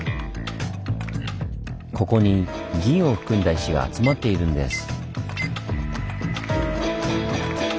ここに銀を含んだ石が集まっているんです。